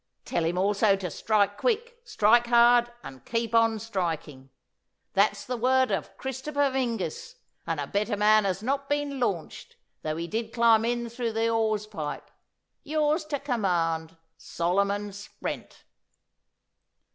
Tell him also to strike quick, strike hard, and keep on striking. That's the word of Christopher Mings, and a better man has not been launched, though he did climb in through the hawse pipe. Yours to command, SOLOMON SPRENT."